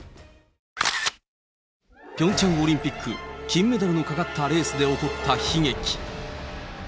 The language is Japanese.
ピョンチャンオリンピック、金メダルのかかったレースで起こった悲劇。